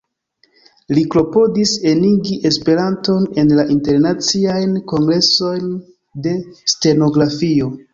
Li klopodis enigi Esperanton en la internaciajn kongresojn de stenografio.